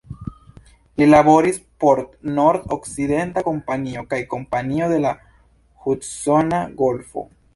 Li laboris por Nord-Okcidenta Kompanio kaj Kompanio de la Hudsona Golfo.